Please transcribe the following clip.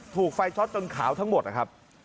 ถูกไฟช็อตจนขาวทั้งหมดนะครับ